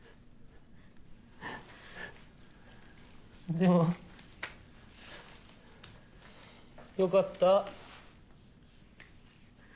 でもよかった。